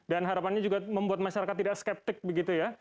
dan harapannya juga membuat masyarakat tidak skeptik begitu ya